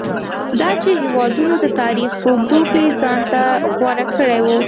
دا چې هېوادونو د تاریخ په اوږدو کې ځان ته غوره کړي وو.